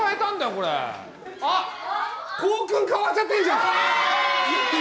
これあっ校訓変わっちゃってんじゃんイエーイ！